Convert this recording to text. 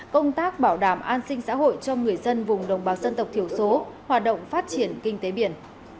công tác bảo đảm an sinh xã hội cho người dân vùng đồng bào dân tộc thiểu số hoạt động phát triển kinh tế biển